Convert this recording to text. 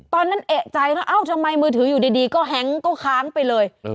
ตอนนั้นเอกใจนะเอ้าทำไมมือถืออยู่ดีก็แฮ้งก็ค้างไปเลย